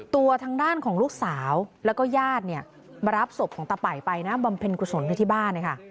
ตัวทางด้านของลูกสาวแล้วก็ญาติเนี่ยมารับศพของตะป่ายไปนะบำเพ็ญกุศลในที่บ้านนะคะ